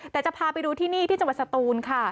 แต่จะพาไปดูที่นี่ที่จังหวัดสตูนค่ะ